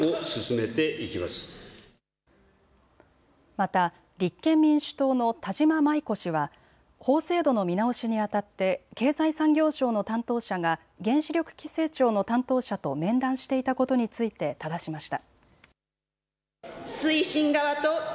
また立憲民主党の田島麻衣子氏は法制度の見直しにあたって経済産業省の担当者が原子力規制庁の担当者と面談していたことについてただしました。